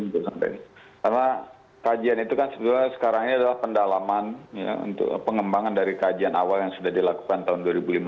karena kajian itu kan sebenarnya sekarang ini adalah pendalaman untuk pengembangan dari kajian awal yang sudah dilakukan tahun dua ribu lima belas